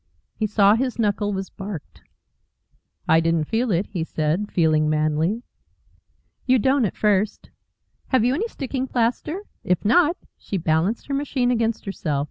He saw his knuckle was barked. "I didn't feel it," he said, feeling manly. "You don't at first. Have you any sticking plaster? If not " She balanced her machine against herself.